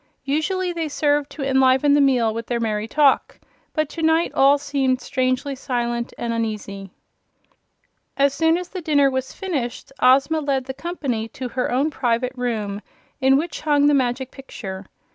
Usually they served to enliven the meal with their merry talk, but to night all seemed strangely silent and uneasy. As soon as the dinner was finished Ozma led the company to her own private room in which hung the Magic Picture.